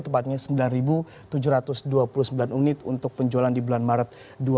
tepatnya sembilan tujuh ratus dua puluh sembilan unit untuk penjualan di bulan maret dua ribu dua puluh